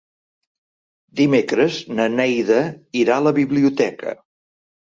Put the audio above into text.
Dimecres na Neida irà a la biblioteca.